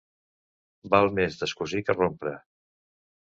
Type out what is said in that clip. Val més descosir que rompre.